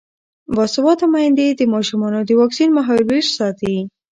باسواده میندې د ماشومانو د واکسین مهالویش ساتي.